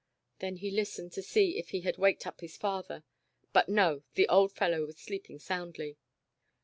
Then he listened to see if he had waked up his father, but no, the old fellow was sleeping soundly.